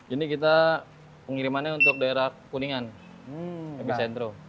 ini kita pengirimannya untuk daerah kuningan lebih sentro